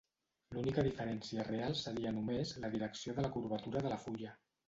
L’única diferència real seria només la direcció de la curvatura de la fulla.